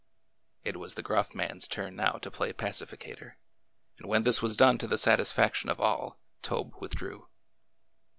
It was the gruff man's turn now to pla)^ pacificator, and when this was done to the satisfaction of all Tobe with drew.